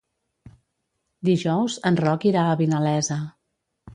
Dijous en Roc irà a Vinalesa.